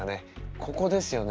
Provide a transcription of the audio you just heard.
ここですよね